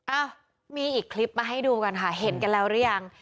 อ่ะมีอีกคลิปมาให้ดูกันค่ะเห็นกันแล้วหรือยัง